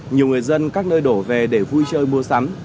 nhiều người dân các nơi đổ về để vui chơi mua sắm